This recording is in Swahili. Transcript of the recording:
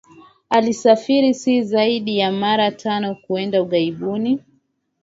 Alisafiri si zaidi ya mara tano kwenda ughaibuni